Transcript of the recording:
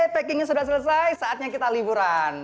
packingnya sudah selesai saatnya kita liburan